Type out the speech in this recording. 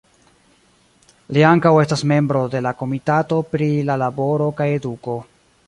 Li ankaŭ estas membro de la Komitato pri La Laboro kaj Eduko.